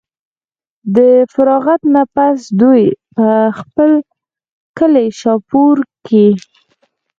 د فراغت نه پس دوي پۀ خپل کلي شاهپور کښې